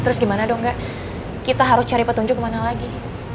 terus gimana dong enggak kita harus cari petunjuk kemana lagi